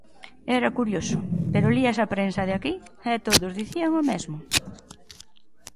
Era curioso, pero lías a prensa de aquí e todos dicían o mesmo.